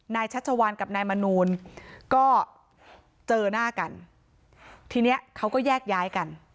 ชัชวานกับนายมนูลก็เจอหน้ากันทีเนี้ยเขาก็แยกย้ายกัน